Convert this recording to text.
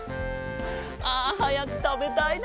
あはやくたべたいな！